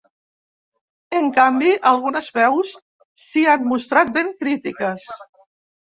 En canvi, algunes veus s’hi han mostrat ben crítiques.